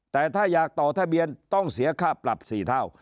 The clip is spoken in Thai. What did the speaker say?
แต่ถ้าอยากต่อทะเบียนต้องเสียค่าปรับ๔เท่า